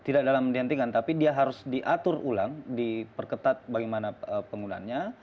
tidak dalam dihentikan tapi dia harus diatur ulang diperketat bagaimana penggunaannya